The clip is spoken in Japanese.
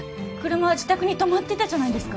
車は自宅に止まってたじゃないですか